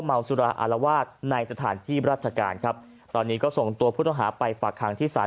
เมาสุราอารวาสในสถานที่ราชการครับตอนนี้ก็ส่งตัวผู้ต้องหาไปฝากหางที่ศาล